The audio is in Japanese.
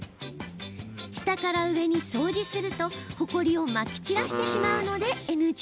下から上に掃除すると、ほこりをまき散らしてしまうのでＮＧ。